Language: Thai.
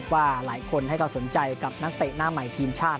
ว่าหลายคนให้ความสนใจกับนักเตะหน้าใหม่ทีมชาติ